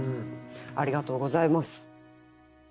ありがとうございます。